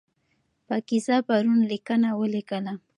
پاکیزه پرون لیکنه ولیکله.